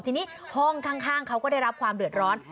ทีนี้ห้องข้างเขาก็ได้รับความเดือดร้อน